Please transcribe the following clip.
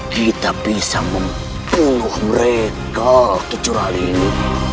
kita bisa membunuh mereka kecuali ini